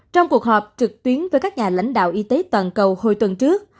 trong cuộc họp trực tuyến với các nhà lãnh đạo y tế toàn cầu hồi tuần trước